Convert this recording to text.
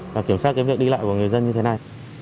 và kiểm soát cái việc đi lại của người dân như thế này